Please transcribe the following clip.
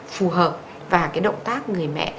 phù hợp và động tác người mẹ